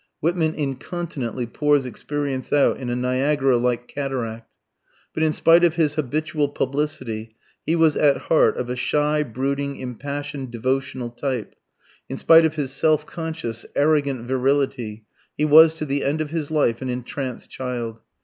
Whitman incontinently pours experience out in a Niagara like cataract. But in spite of his habitual publicity he was at heart of a "shy, brooding, impassioned devotional type"; in spite of his self conscious, arrogant virility, he was to the end of his life an entranced child.